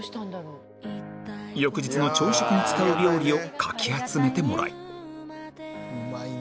翌日の朝食に使う料理をかき集めてもらい